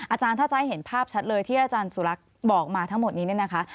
อาจารย์ถ้าจะให้เห็นภาพชัดเลยที่อาจารย์สุรักษ์บอกมาทั้งหมดนี้เนี่ยนะคะ